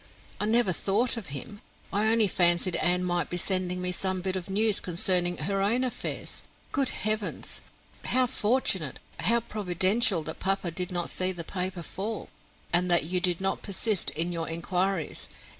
"I never thought of him; I only fancied Anne might be sending me some bit of news concerning her own affairs. Good Heavens! How fortunate how providential that papa did not see the paper fall; and that you did not persist in your inquiries.